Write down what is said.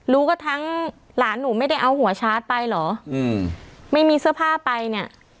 รู้ก็ทั้งหลานหนูไม่ได้เอาหัวชาร์จไปเหรออืมไม่มีเสื้อผ้าไปเนี่ย